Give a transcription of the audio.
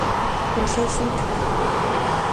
Yilhesitxu.